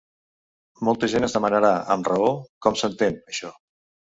Molta gent es demanarà, amb raó, com s’entén, això.